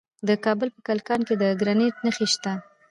د کابل په کلکان کې د ګرانیټ نښې شته.